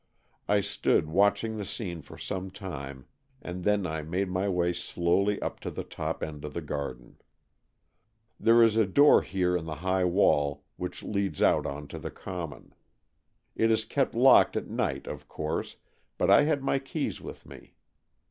I stood watching the scene for some time, and then I made my way slowly up to the top end of the garden. There is a door here in the high wall, which leads out on to the common. It is kept locked at night, of course, but I had my keys with me.